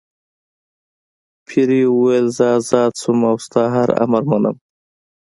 پیري وویل زه آزاد شوم او ستا هر امر منم.